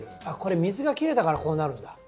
あっこれ水が切れたからこうなるんだ。